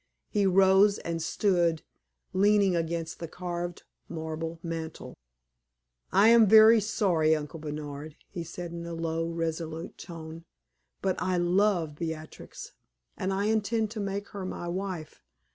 He rose and stood leaning against the carved marble mantel. "I am very sorry, Uncle Bernard," he said in a low, resolute tone; "but I love Beatrix, and I intend to make her my wife.